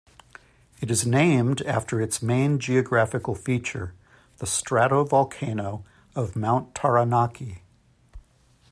It is named after its main geographical feature, the stratovolcano of Mount Taranaki.